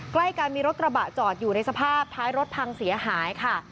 ใกล้กันมีรถกระบะจอดอยู่ในสภาพท้ายรถพังเสียหายค่ะ